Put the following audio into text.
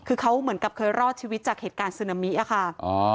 คือเขาเหมือนกับเคยรอดชีวิตจากเหตุการณ์ซึนามิอะค่ะ